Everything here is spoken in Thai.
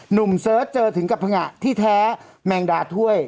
เสิร์ชเจอถึงกับผงะที่แท้แมงดาถ้วย